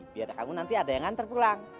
biar kamu nanti ada yang ngantar pulang